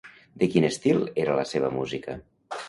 De quin estil era la seva música?